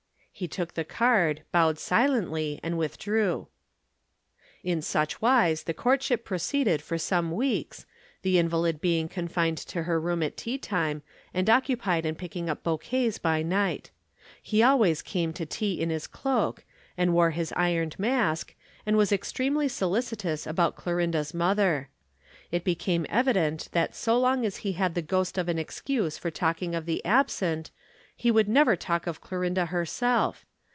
He took the card, bowed silently and withdrew. In such wise the courtship proceeded for some weeks, the invalid being confined to her room at teatime and occupied in picking up bouquets by night. He always came to tea in his cloak, and wore his Ironed Mask, and was extremely solicitous about Clorinda's mother. It became evident that so long as he had the ghost of an excuse for talking of the absent, he would never talk of Clorinda herself.